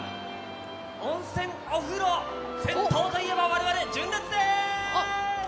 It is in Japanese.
温泉、お風呂、銭湯といえば我々、純烈です！